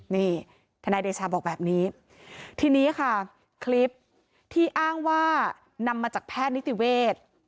นี่ทนายเดชาบอกแบบนี้ทีนี้ค่ะคลิปที่อ้างว่านำมาจากแพทย์นิติเวทย์